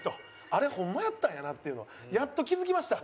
あれホンマやったんやなっていうのやっと気付きました。